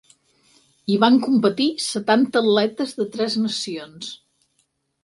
Hi van competir setanta atletes de tres nacions.